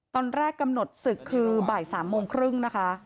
ตอนแรกกำหนดศึกคือบ่ายสามโมงครึ่งนะคะ